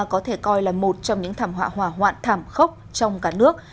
có thể coi là một trong những thảm họa hỏa hoạn thảm khốc trong cả nước